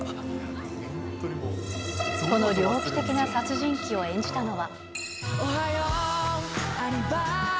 この猟奇的な殺人鬼を演じたのは。